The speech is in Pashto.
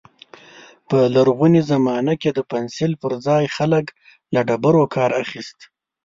په لرغوني زمانه کې د پنسل پر ځای خلک له ډبرو کار اخيست.